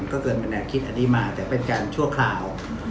ก็เกินเป็นแนวคิดอันนี้มาแต่เป็นการชั่วคราว